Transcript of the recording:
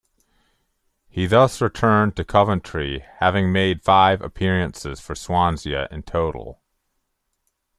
He thus returned to Coventry having made five appearances for Swansea in total.